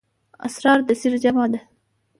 اسرار د سِر جمعه ده.